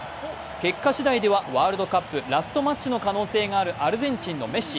結果しだいではワールドカップラストマッチの可能性があるアルゼンチンのメッシ。